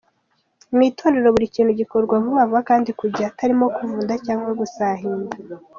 Mu itorero buri kintu gikorwa vuba vuba kandi ku gihe, hatarimo kuvunda cyangwa gusahinda.